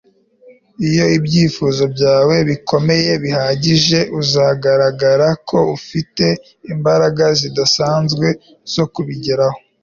iyo ibyifuzo byawe bikomeye bihagije uzagaragara ko ufite imbaraga zidasanzwe zo kubigeraho